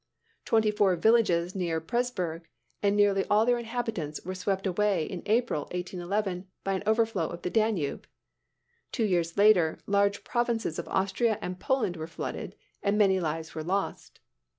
Twenty four villages near Presburg, and nearly all their inhabitants, were swept away in April, 1811, by an overflow of the Danube. Two years later, large provinces in Austria and Poland were flooded, and many lives were lost.